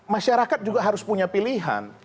masyarakat juga harus punya pilihan